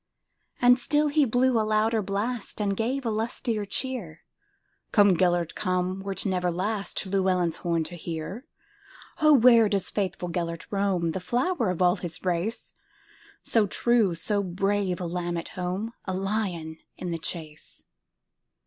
And still he blew a louder blast, And gave a lustier cheer:"Come, Gêlert, come, wert never lastLlewelyn's horn to hear."O, where doth faithful Gêlert roam, The flower of all his race, So true, so brave,—a lamb at home,A lion in the chase?"